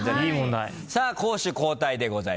さあ攻守交代でございます。